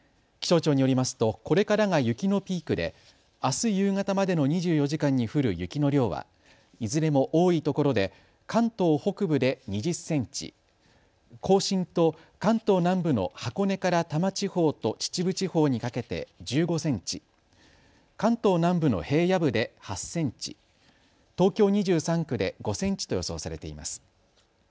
気象庁によりますとこれからが雪のピークであす夕方までの２４時間に降る雪の量はいずれも多いところで関東北部で２０センチ、甲信と関東南部の箱根から多摩地方と秩父地方にかけて１５センチ、関東南部の平野部で８センチ、東京２３区で５センチと予想されています。